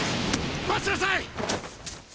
待ちなさい！